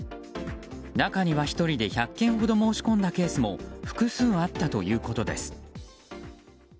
中には、１人で１００件ほど申し込んだケースも複数あったということです。